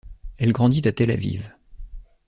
Elle grandit à Tel Aviv.